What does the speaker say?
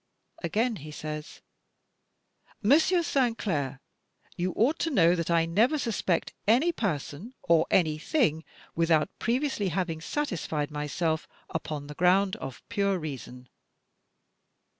Again, he says: " M. Sainclair, you ought to know that I never suspect any person or anything without previously having satisfied myself upon the 'ground of pure reason.'